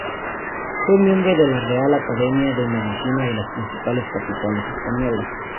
Fue miembro de la Real Academia de Medicina de las principales capitales españolas.